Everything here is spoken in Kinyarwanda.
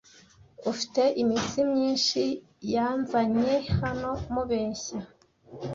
Ufite imitsi myinshi yanzanye hano mubeshya.